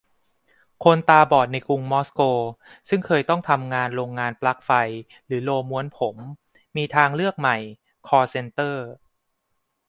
คนตาบอดในกรุงมอสโก ซึ่งเคยต้องทำงานโรงงานปลั๊กไฟหรือโรลม้วนผม : มีทางเลือกใหม่ คอลล์เซ็นเตอร์